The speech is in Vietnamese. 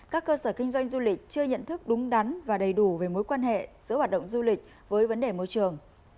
các cơ sở kinh doanh du lịch chưa nhận thức đúng đắn và đầy đủ về mối quan hệ giữa hoạt động du lịch với vấn đề môi trường